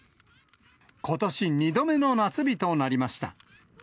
ことし２度目の夏日となりました。